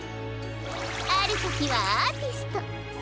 あるときはアーティスト。